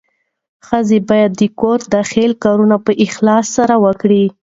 ښځه باید د کور داخلي کارونه په اخلاص سره وکړي.